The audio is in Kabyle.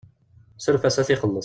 Suref-as ad t-ixelleṣ.